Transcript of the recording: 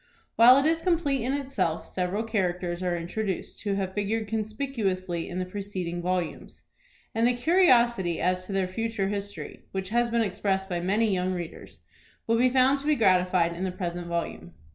While it is complete in itself, several characters are introduced who have figured conspicuously in the preceding volumes; and the curiosity as to their future history, which has been expressed by many young readers, will be found to be gratified in the present volume.